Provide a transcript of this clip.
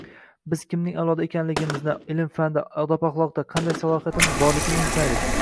Biz kimning avlodi ekanimizni, ilm-fanda, odob-axloqda qanday salohiyatimiz borligini unutmaylik.